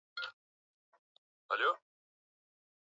Baada ya azimio la mwaka elfu moja mia nane thelathini na tatu